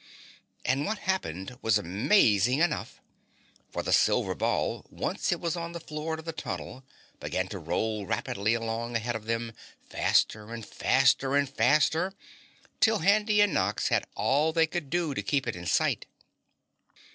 And what happened, was amazing enough, for the silver ball, once it was on the floor of the tunnel began to roll rapidly along ahead of them, faster and faster and faster, till Handy and Nox had all they could do to keep it in sight.